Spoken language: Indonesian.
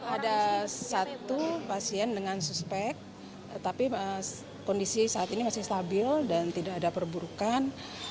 ada satu pasien dengan suspek tapi kondisi saat ini masih stabil dan tidak ada perburukan